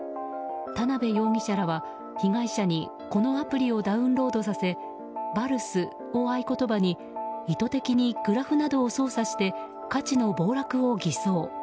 田辺容疑者らは、被害者にこのアプリをダウンロードさせバルスを合言葉に意図的にグラフなどを操作して価値の暴落を偽装。